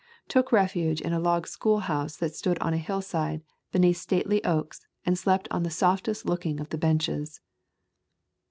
Took refuge in a log schoolhouse that stood on a hillside beneath stately oaks and slept on the softest looking of the benches.